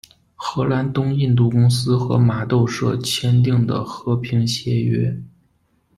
荷兰东印度公司和麻豆社签订的和平协约。